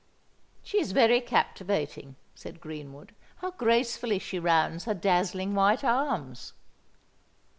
"She is very captivating," said Greenwood. "How gracefully she rounds her dazzling white arms!"